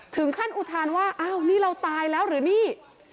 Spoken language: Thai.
อุทานว่าอ้าวนี่เราตายแล้วหรือนี่